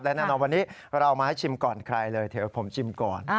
และแน่นอนวันนี้เรามาให้ชิมก่อนใครเลยเดี๋ยวผมชิมก่อน